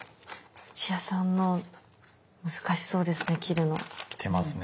土屋さんの難しそうですね切るの。来てますね。